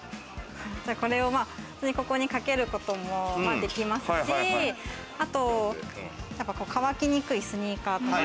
これを、ここに、かけることもできますし、乾きにくいスニーカーとか。